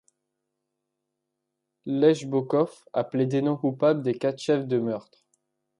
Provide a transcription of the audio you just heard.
Legebokoff a plaidé non coupable des quatre chefs de meurtre.